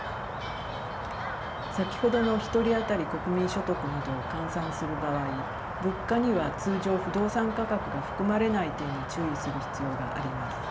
先ほどの１人当たり国民所得などを換算する場合物価には通常不動産価格が含まれない点に注意する必要があります。